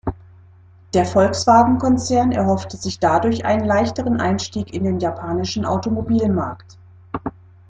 Der Volkswagen-Konzern erhoffte sich dadurch einen leichteren Einstieg in den japanischen Automobilmarkt.